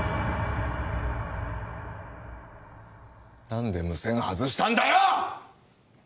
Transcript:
何で無線外したんだよっ！